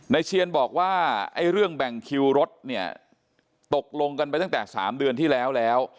เชียนบอกว่าไอ้เรื่องแบ่งคิวรถเนี่ยตกลงกันไปตั้งแต่๓เดือนที่แล้วแล้ว